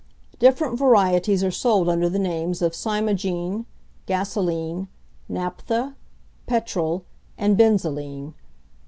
Different varieties are sold under the names of cymogene, gasolene, naphtha, petrol, and benzoline.